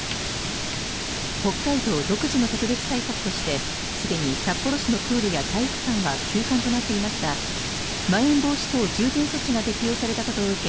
北海道独自の特別対策としてすでに札幌市のプールや体育館は休館となっていますがまん延防止等重点措置が適用されたことを受け